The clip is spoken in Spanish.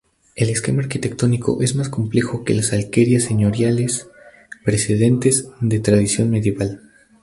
El esquema arquitectónico es más complejo que las alquerías señoriales precedentes, de tradición medieval.